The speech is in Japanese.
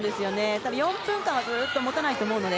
ただ、４分間ずっとは持たないと思うので。